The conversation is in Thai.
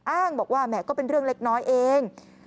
อ้างบอกว่าแหมก็เป็นเรื่องเล็กน้อยเอง